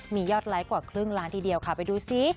มียอดไลค์กว่าครึ่งล้านทีเดียวค่ะไปดูซิ